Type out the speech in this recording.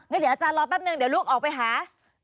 เดี๋ยวอาจารย์รอแป๊บนึงเดี๋ยวลูกออกไปหา